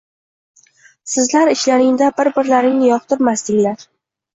Sizlar ichlaringda bir-birlaringni yoqtirmasdinglar